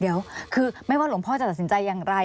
เดี๋ยวคือไม่ว่าหลวงพ่อจะตัดสินใจอย่างไร